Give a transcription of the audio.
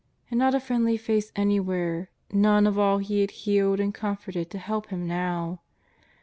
And not a friendly face anywhere, none of all He had healed and comforted to help Him now!